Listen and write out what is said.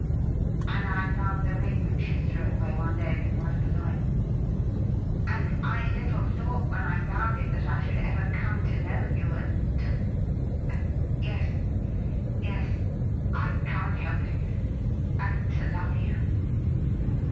And I found the ring which you threw away one day in the Bois de Boulogne, and I little thought when I found it that I should ever come to know you and to — and — yes — yes — I can't help it — ^and to love you.'